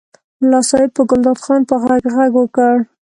ملا صاحب په ګلداد خان په غږ غږ وکړ.